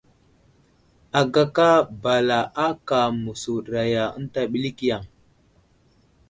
Agaka bala ákà məsuɗəraya ənta ɓəlik yaŋ.